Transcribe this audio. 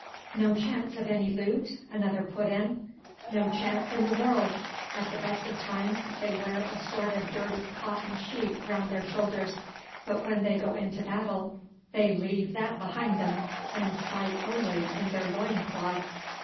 "No chance of any loot?" another put in. "No chance in the world. At the best of times they wear a sort of dirty cotton sheet round their shoulders, but when they go into battle they leave that behind them, and fight only in their loin cloths."